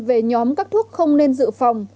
về nhóm các thuốc không nên dự phòng